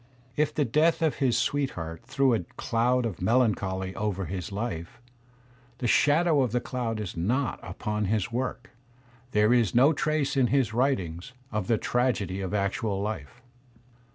If the death of his sweetheart threw a cloud of melancholy over his life, the Digitized by Google IRVING 21 shadow of the cloud is not upon his work. There is no trace in his writings of the tragedy of actual life.